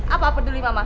apa peduli mama hah